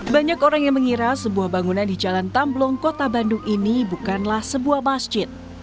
banyak orang yang mengira sebuah bangunan di jalan tamblong kota bandung ini bukanlah sebuah masjid